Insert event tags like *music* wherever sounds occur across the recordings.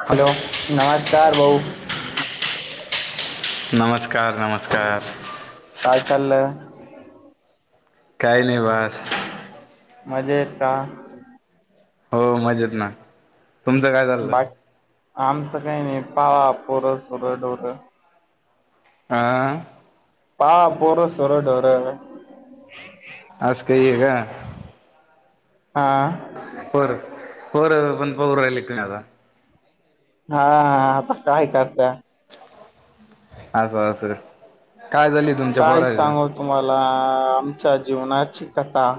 Hello नमस्कार भाऊ. नमस्कार नमस्कार. काय चाललं? काही नाही बस. मजेत का. हो मजेत ना. तुमचं काय. चाललं बाकी आमचं काही नाही पावा पोरं-सोरं-डोरं. आ. हा पोरं, सोरं, डोरं. आज काय वेगळं. हां. बरं बरं पोर पाव राहिले की आता. हा आता काय करताय? असं असं काय झाली. तुमच्या काय पोराचं सांगू तुम्हांला आमच्या जीवनाची कथा.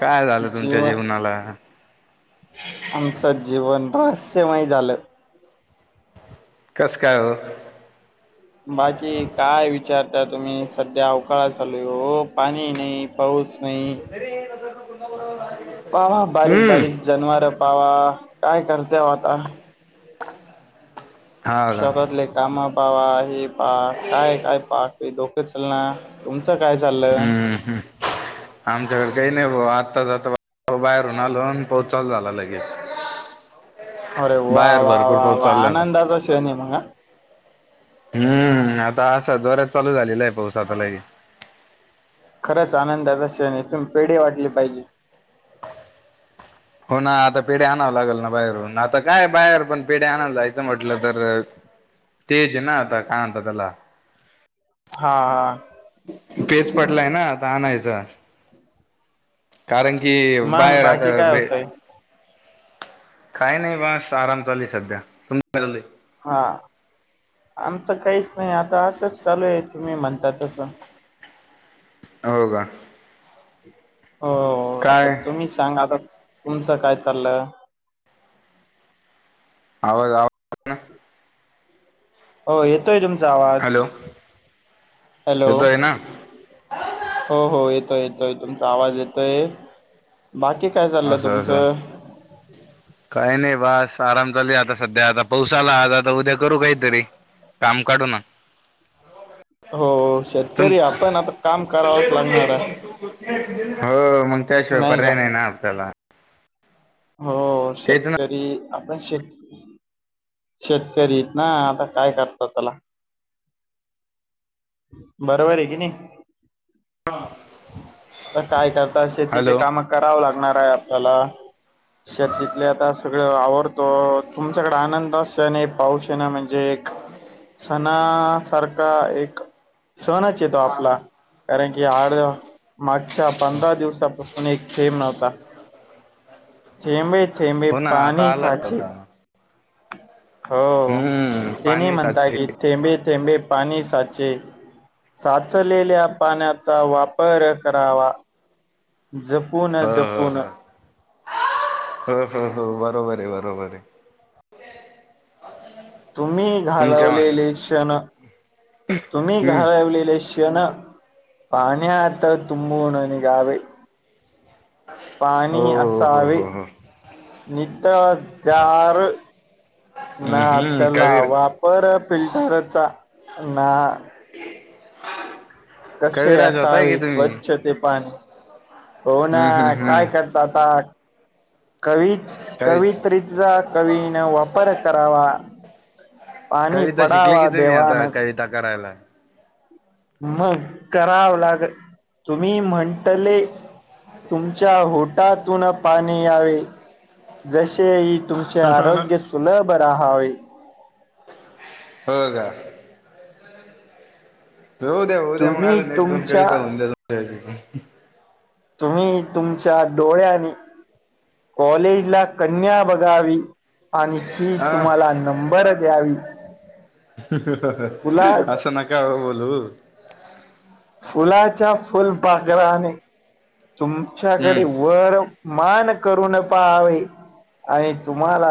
काय झालं तुमच्या जीवन जीवनाला? आमचं जीवन रहस्यमय झालं. कस काय ओ. बाकी काय विचारता तुम्ही सध्या अवकाळा चालू पाणी नाही. पाऊस नाही. तरीर पुन्हा ब *unintelligible* पावा बारीक बारीक जनवर पावा काय करतेव आता. हा का शेतातले कामा पावा हे पा काय काय पा डोके चल ना. तुमचं काय चाललंय. आमच्याकडं काही नाही भा आताच आता बाहेरून आलो आणि पाऊस चालू झाला लगेच. अरे वा बाहेर वा भरपूर वा पाऊस वा चालला आनंदाचा श्रण ये मगं हा. हम्म आता असा जोऱ्यात चालू झालेला आहे पाऊस आता लगेच. खरंच आनंदाचा श्रेण ये तुम्ही पेढे वाटले पाहिजे. हो ना आता पिढ्या आणावं लागेल ना बाहेरून आता काय बाहेर पण पेढे आणायला जायचं म्हटलं तर तेज ना आता काय म्हणता त्याला. हा हा हा. पेच पटलाय ना आता आणायचा. कारण की मग बाहेर आता बाकी काय ते होतंय काही नाही बस आराम चाली सध्या तुम काय चाललंय. हा आमचं काहीच नाही आता असंच चालू आहे तुम्ही म्हणता तसं. हो का. हो आता काय तुम्ही सांगा आता तुमचं काय चाललं. आवर आ हो येतोय तुमचा आवाज हॅलो हॅलो. येतोय ना हो हो येतोय येतोय तुमचा आवाज येतोय बाकी काय चाललंय असं असं तुमचं? काही नाही बस आराम चालू आहे आता सध्या आता पाऊस आला आता आता उद्या करू काहीतरी. काम काढू ना. हो तुम शेतकरी आपण आता काम करावच लागणार आहे. हो मग त्याशिवाय पर्याय नाही ना आपल्याला हो तेच ना शेतकरी आपण शेत शेतकरी ना आता काय करतात त्याला. बरोबर आहे की नाही. आता काय करतात शेतीचे हॅलो काम करावं लागणार आहे आपल्याला शेतीतले आता सगळं आवडतो तुमच्याकडे आनंद अस आणि पाऊश येन म्हणजे एक सणासारखा एक सणच ये तो आपला. कारण की आड मागच्या पंधरा दिवसापासून एक थेंब नव्हता थेंबे थेंबे हो ना आता पाणी आला साचे. होता हो हम्म तेने पाणी म्हणता साचले की थेंबे थेंबे पाणी साचे साचलेल्या पाण्याचा वापर करावा जपून जपूून. *unintelligible* ह ह ह बरोबर आहे बरोबर आहे. तुम्ही तुमच्या मागे घालवलेले क्षण तुम्ही हम्म घालवलेले क्षण क्षण पाण्यात तुंबून निघावे. हो पाणी हो हो असावे हो हो नित चार हम्म हम्म नातं कवीर लावा पर फिल्टरचा ना कसे कविराज होताय की असावे तुम्ही स्वच्छ ते पाणी होना हम्म हम्म काय कर हम्म आता कवी कवी कवित्रीचा कवीन वापर करावा पाणी पडावा देवान त करायला. मग करावं लाग तुम्ही म्हणटले तुमच्या होटातून पाणी यावे जशे तुमचे आरोग्य सुलभ राहावे. हो का. होऊ द्या होऊ द्या मग तुम्ही अजून एक दोन तुमच्या कविता होऊन द्या तुमच्या तुम्ही तुमच्या डोळ्यानी कॉलेजला कन्या बघावी आणि ती अ तुम्हाला नंबर द्यावी. फुला असं नका हो बोलू. फुलाच्या फुलपाखराने हम्म तुमच्याकडे वर मान करून पहावे आणि तुम्हाला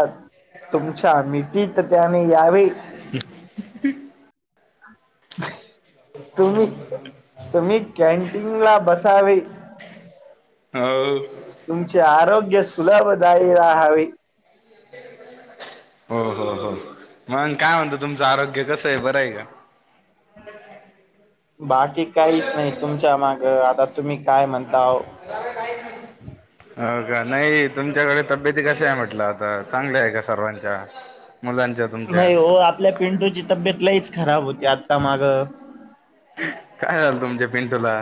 तुमच्या मिठीत त्याने यावे. *unintelligible* तुम्ही तुम्ही कॅन्टीन ला बसावे हो! तुमचे आरोग्य सुलभदायी राहावे. हो हो हो! मग काय म्हणतो तुमचं आरोग्य कसं हाय बरं हाय का? ह ह *unintelligible* बाकी काहीच नाही तुमच्या माग आता तुम्ही काय म्हणताव. हो का नाही तुमच्याकडे तब्येती कशा आहे म्हटलं आता चांगल्या आहे का सर्वांच्या? मुलांच्या तुमच्या नाही ओ आपल्या पिंटूची तब्येत लयीच खराब होती आता माग. काय झालं तुमच्या पिंटूला?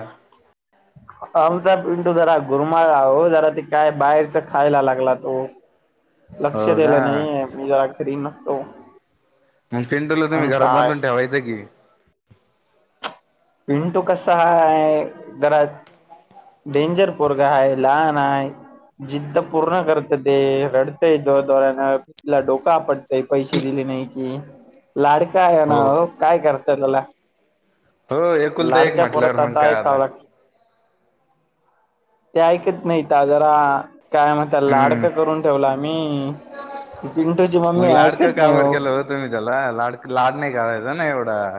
आमचा पिंटू जरा गुरमाळला ओ जरा ते काय बाहेरचा खायला लागला तो. हो लक्ष द्याल का नाही मी जरा घरी नसतो. मग पिंटूला तुम्ही आणि घरात काय बांधून ठेवायचं की. पिंटू कसा हाय जरा डेंजर पोरग हाय लहान हाय. जिद्द पूर्ण करत ते रडतय जोर जोऱ्यान तिला डोक आपटतय पैसे दिले नाही की लाडका आहे ना हो काय करताय त्यला. हो एकुलता एक लाडक्या म्हटल्यावर पोरांचं मग आता काय ऐकावं लागत. ते ऐकत नाही त्या जरा काय म्हणत्यात हम्म लाडकं करून ठेवल आम्ही पिंटूची मम्मी मग लाडकं ऐकत नाही कावर ओ. केलं हो तुम्ही त्याला लाड लाड नाही करायचं ना एवढा.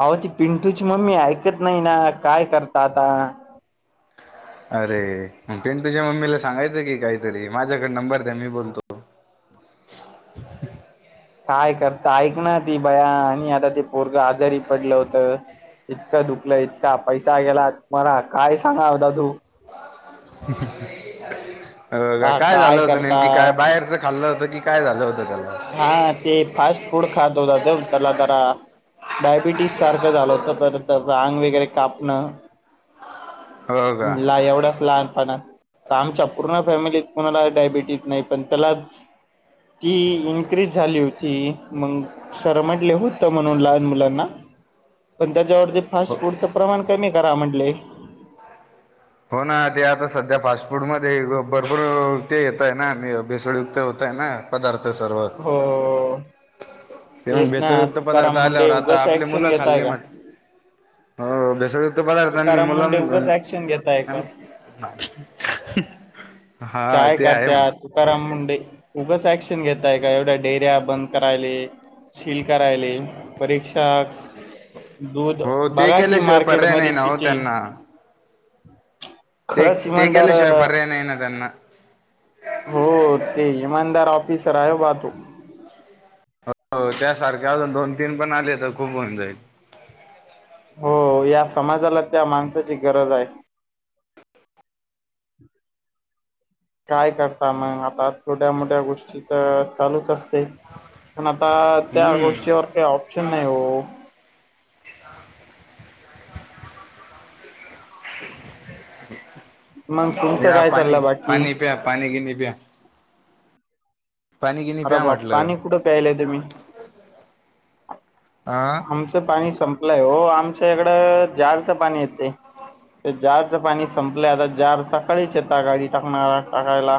अहो ती पिंटूची मम्मी ऐकत नाही ना काय करता आता. अरे मग पिंटूच्या मम्मीला सांगायचं की काहीतरी माझ्याकडे नंबर द्या मी बोलतो. काय करता ऐक ना ती बया आणि आता ते पोरगं आजारी पडलं होत. इतकं दुखलं इतका पैसा गेला तुम्हाला काय सांगाव दादू. अ हा काय झालं होत करता नेमकी काय बाहेरच खाल्लं होत की काय झालं होतं त्यला. हा! ते फास्ट फूड खात होता तो त्यला जरा डायबिटीस सारखं झालं होतं परत अंग वगैरे कापणं. हो का ला एवढाच लहानपणा आमच्या पूर्ण फॅमिलीत कोणाला डायबिटीस नाही पण त्यलाच ती इनक्रीज झाली होती मग. शरमटले होत म्हणून लहान मुलांना पण त्याच्यावरती हो फास्ट फूडचं प्रमाण कमी करा म्हण्टले. हो ना ते आता सध्या फास्टफूडमध्ये भरपूर ते येतय ना भेसळयुक्त होतय ना. पदार्थ सर्व हो! ते मग तेच ना भेसळयुक्त तुकाराम पदार्थ मुंडे आल्यावर आता उगच आपले ऍक्शन मुलं घेताय खाल्ले का ना हो भेसळयुक् इतर पदार्थांनी तुकाराम मुंडे उगच ऍक्शन घेताय मुलांना का काय करत्यात तुकाराम मुंडे उगच ऍक्शन घेताय का एवढ्या डेअऱ्या बंद करायले, सील करायले, परीक्षा दूध हो ते बघा कि केल्याशिवाय मार्केट पर्याय नाही मध्ये ना हो किती. त्यांना *inaudible* ते ते इमानदार केल्या शिवाय अं, पर्याय नाही ना त्यांना हो ते इमानदार ऑफिसर आहे बा तो हो त्यासारख्या अजून दोन तीन पण आले तर खूप होऊन जाईल. हो या समाजाला त्या माणसाची गरज आहे. हम *inaudible* काय करता मग आता छोट्या मोठ्या गोष्टीच चालूच असते. पण आता त्या हम्म गोष्टीवर काही ऑप्शन नाही ओ मग *inaudible* तुमचं घ्या काय पाणी चाललं बाकी? पाणी प्या पाणी बिनी प्या पाणी गिनी अर प्या बा म्हटलं पाणी कुठं प्यायलाय तुम्ही. हा आमचं पाणी संपलंय ओ आमच्या इकडं जारचं पाणी येत जार पाणी संपलं आता जार सकाळीच येत गाडी टाकणारा टाकायला.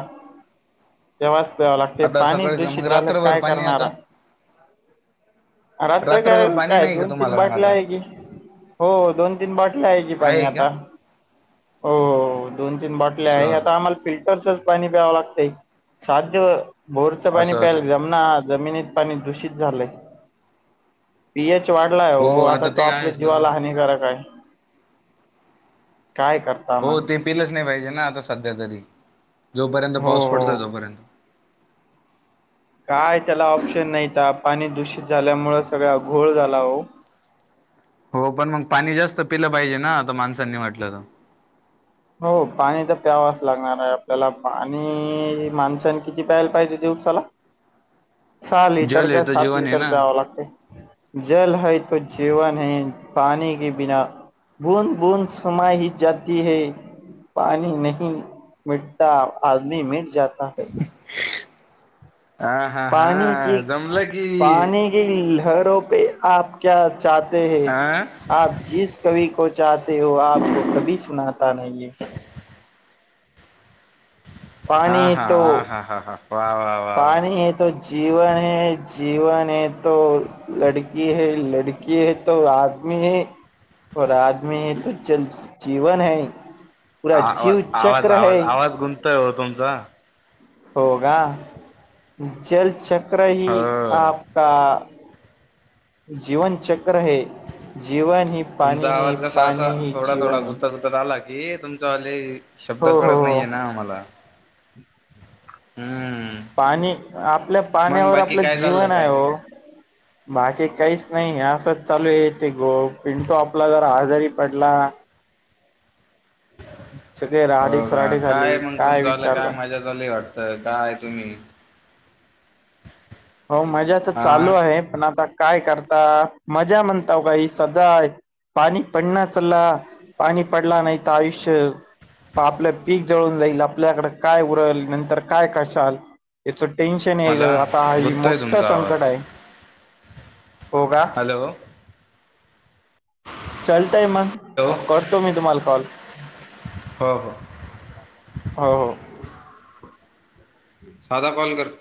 तेव्हाच प्यावा लागते आता पाणी सकाळीच दूषित मग झालं रात्रभर काय पाणी करणारा आता राता रात्रभर *unintelligible* पाणी काय नाही का दोन तीन तुम्हाला मग बाटल आता आहे की हो दोन तीन बाटल्या आहे की पाणी आता. हो दोन तीन बाटल्या आहे असं आता आम्हाला फिल्टरच पाणी प्यावं लागतंय साध्य बोरचं पाणी असं प्यायला असं जमना जमिनीत पाणी दूषित झालंय. पीएच वाढलाय ओ हो आता तो ते आपल्या आहेच ना हो जीवाला हानिकारक आहे. काय करत हो ते पिलंच नाही पाहिजे ना आता सध्या तरी जोपर्यंत हो पाऊस हो पडतो तोपर्यंत. काय त्याला ऑप्शन नाहीता पाणी दूषित झाल्यामुळे सगळा घोळ झाला हो हो पण मग पाणी जास्त पिलं पाहिजे ना आता माणसांनी म्हटलं तर हो पाणी तर प्यावाच लागणार आहे आपल्याला पाणी माणसांनी किती प्यायला पाहिजे दिवसाला सहा तर लिटर जल हे का तर सात जीवन आहे लिटर ना प्याव लागते. जल है तो जीवन है पाणी के बिना बुद बुद समाही जाती है. पाणी नाही मिटता आदमी मिट जात है. हा हा हा पानी की जमलं की पानी की लहरों पे आप क्या चहते है हा आप जिस कवी को चहते हो आपको कभी सुनाता नाहीे हा हा हा हा हा हा वा वा. वा वा पाणी हे तो जीवन है जीवन है तो लडकी है लडकी है तो आदमी है और आदमी हे तो जल जीवन है. पूरा आवा जीव आवाज चक्र आवाज है आवाज घुमतोय ओ तुमचा. हो का जलचक्र ही हो आपका जीवन चक्र है जीवन ही पाणी तुमचा है पाणी ही जीवन है. झाला कि तुमचा वाले शब्द हो हो कळत हो नाहीये ना आम्हाला हम्म पाणी आपल्या मग पाण्यावर बाकी आपलं काय जीवन चाललं आहे काय नाही ओ. बाकी काहीच नाही असंच चालू येते गो पिंटो आपला जर आजारी पडला. सगळे हो राडे का राडे झाले काय मग तुमच चालं काय विचारता मजा चाललय वाटतं. काय तुम्ही हो मजा तर हा चालू आहे पण आता काय करता मजा म्हणता काही सजा आहे पाणी पडला चला पाणी पडला नाही तर आयुष्य आपलं पीक जळून जाईल आपल्याकडे काय उरल नंतर काय खाशाल. इ‍थ टेन्शन याल आता आ घुमतोय तुमचा आवाज हो का हॅलो चालतय मग करतो मी तुम्हाला कॉल. हो हो हो हो साधा कॉल कर